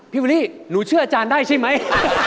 เวอรี่หนูเชื่ออาจารย์ได้ใช่ไหม